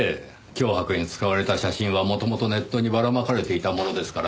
脅迫に使われた写真は元々ネットにばらまかれていたものですからねぇ。